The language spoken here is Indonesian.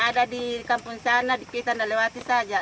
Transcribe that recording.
ada di kampung sana di kisah lewati saja